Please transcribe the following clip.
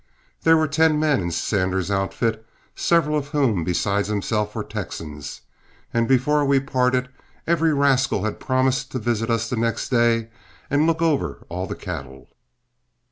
There were ten men in Sanders's outfit, several of whom besides himself were Texans, and before we parted, every rascal had promised to visit us the next day and look over all the cattle.